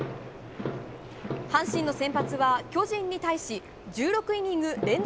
阪神の先発は巨人に対し１６イニング連続